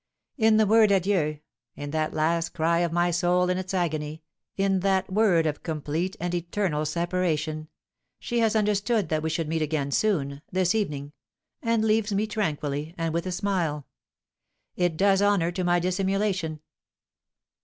In the word adieu, in that last cry of my soul in its agony, in that word of complete and eternal separation, she has understood that we should meet again soon, this evening, and leaves me tranquilly, and with a smile! It does honour to my dissimulation.